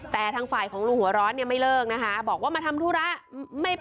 แต่ทางฝ่ายของลุงหัวร้อนเนี่ยไม่เลิกนะคะบอกว่ามาทำธุระ